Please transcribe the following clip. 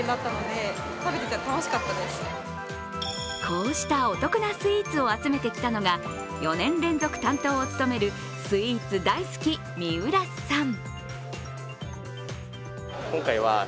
こうしたお得なスイーツを集めてきたのが４年連続担当を務めるスイーツ大好き、三浦さん。